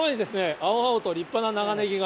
青々と立派な青ネギが。